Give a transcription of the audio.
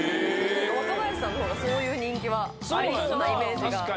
若林さんのほうがそういう人気はありそうなイメージが。